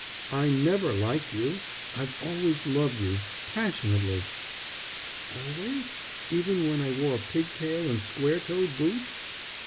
"I've never liked you. I've always loved you, passionately." "Always? Even when I wore a pig tail and square toed boots?"